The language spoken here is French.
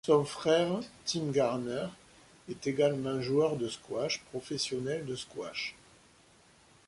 Son frère Tim Garner est également joueur de squash professionnel de squash.